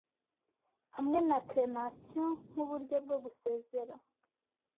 Hamwe na crenation nk'uburyo bwo gusezera